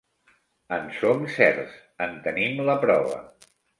En som certs: en tenim la prova.